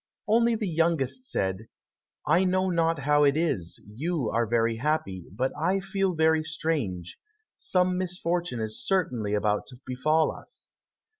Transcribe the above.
Only the youngest said, "I know not how it is; you are very happy, but I feel very strange; some misfortune is certainly about to befall us."